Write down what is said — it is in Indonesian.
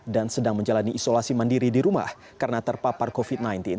dan sedang menjalani isolasi mandiri di rumah karena terpapar covid sembilan belas